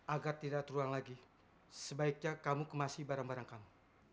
agar tidak terulang lagi sebaiknya kamu kemasi barang barang kamu